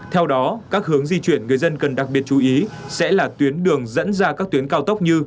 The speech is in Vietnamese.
theo đó các hướng di chuyển người dân cần đặc biệt chú ý sẽ là tuyến đường dẫn ra các tuyến cao tốc như